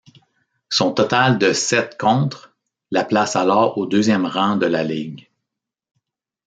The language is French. Son total de sept contres la place alors au deuxième rang de la ligue.